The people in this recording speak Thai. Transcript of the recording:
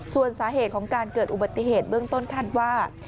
ส่วนสาเหตุของการเกิดอุบัติเหตุเบื้องต้นคาดว่า